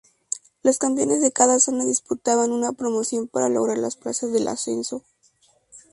Los campeones de cada zona disputaban una promoción para lograr las plazas de ascenso.